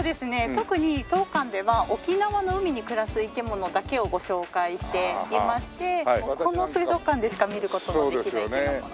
特に当館では沖縄の海に暮らす生き物だけをご紹介していましてこの水族館でしか見る事のできない生き物も多いですね。